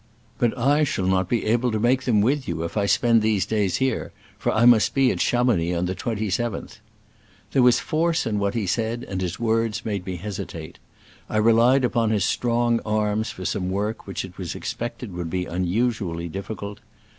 But I shall not be able to make them with you if I spend these days here, for I must be at Cha mounix on the 27th." There was force in what he said, and his words made me hesitate. I relied upon his strong arms for some work which it was expected would be unusually difficult.